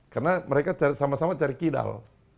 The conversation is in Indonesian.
karena mereka sama sama cari kidal